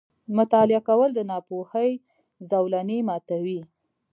• مطالعه کول، د ناپوهۍ زولنې ماتوي.